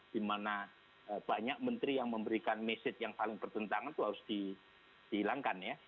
dimana banyak menteri yang memberikan message yang saling bertentangan itu harus dihilangkan ya